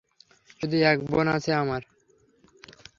শুধু এক বোন আছে আমার।